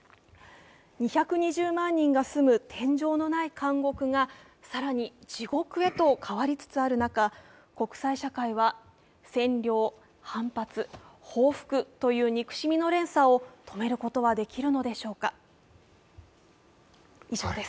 ２２０万人が住む天井のない監獄が更に地獄へと変わりつつある中、国際社会は占領、反発、報復という憎しみの連鎖を止めることはできるのでしょうか。